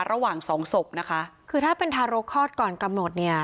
ระหว่างสองศพนะคะคือถ้าเป็นทารกคลอดก่อนกำหนดเนี่ย